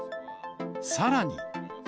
さらに。